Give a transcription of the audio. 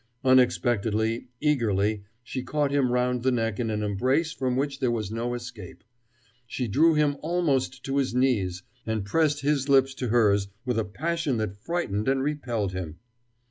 Unexpectedly, eagerly, she caught him round the neck in an embrace from which there was no escape. She drew him almost to his knees, and pressed his lips to hers with a passion that frightened and repelled him.